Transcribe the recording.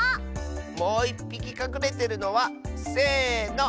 もういっぴきかくれてるのはせの。